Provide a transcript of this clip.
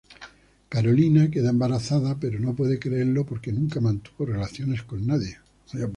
Carolina queda embarazada, pero no puede creerlo porque nunca mantuvo relaciones con nadie.